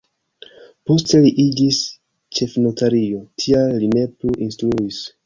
Poste li iĝis ĉefnotario, tial li ne plu instruis.